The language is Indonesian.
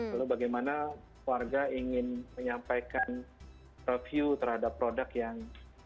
lalu bagaimana warga ingin menyampaikan review terhadap produk yang